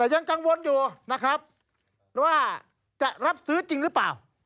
ยังกังวลอยู่นะครับว่าจะรับซื้อจริงหรือเปล่า